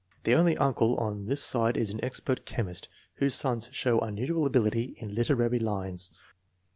The only uncle on this side is an expert chemist, whose sons show unus ual ability in literary lines.